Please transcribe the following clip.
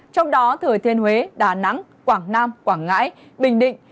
trong đó thừa thiên huế đà nẵng quảng nam quảng ngãi bình định